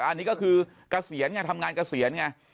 อันนี้ก็คือเกษียณไงทำงานเกษียณไง